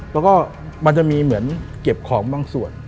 แล้วก็มันจะมีเหมือนเก็บของบางส่วน